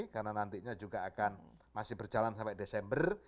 karena nantinya juga akan masih berjalan sampai desember